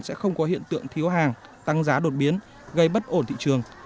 sẽ không có hiện tượng thiếu hàng tăng giá đột biến gây bất ổn thị trường